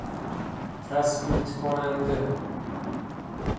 تثبیت کننده